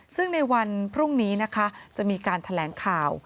ซึ่งในวันพรุ่งนี้นะคะจะมีการแถลงข่าว